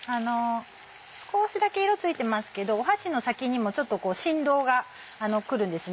少しだけ色ついてますけど箸の先にもちょっと振動がくるんですね